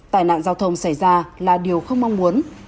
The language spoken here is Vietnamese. tai nạn giao thông xảy ra là điều không mong muốn